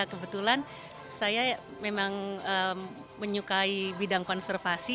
kebetulan saya memang menyukai bidang konservasi